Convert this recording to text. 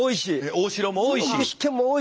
大城も多い。